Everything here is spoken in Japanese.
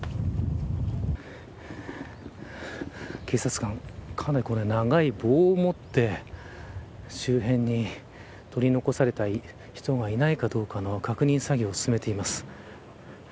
警察官、かなり長い棒を持って周辺に取り残された人がいないかどうかの確認作業を進めています。